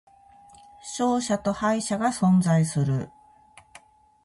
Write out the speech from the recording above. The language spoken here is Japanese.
勝者と敗者が存在する